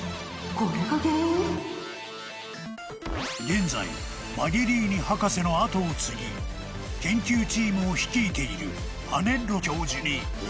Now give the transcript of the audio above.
［現在マゲリーニ博士の後を継ぎ研究チームを率いているアネッロ教授にお話を伺うと］